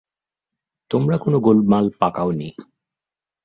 তোমরা কোনো গোলমাল পাকাওনি।